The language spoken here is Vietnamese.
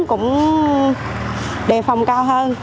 cũng đề phòng cao hơn